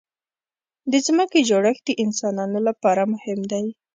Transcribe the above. د ځمکې جوړښت د انسانانو لپاره مهم دی.